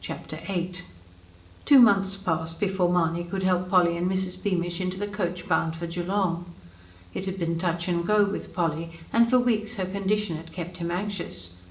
Chapter VIII Two months passed before Mahony could help Polly and Mrs. Beamish into the coach bound for Geelong. It had been touch and go with Polly; and for weeks her condition had kept him anxious.